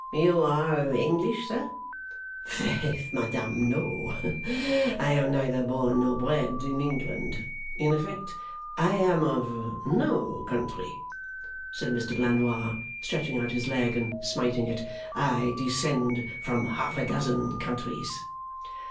You are English, sir?' 'Faith, madam, no; I am neither born nor bred in England. In effect, I am of no country,' said Mr Blandois, stretching out his leg and smiting it: 'I descend from half a dozen countries.